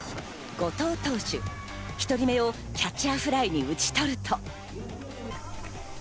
後藤投手、１人目をキャッチャーフライに打ち取ると。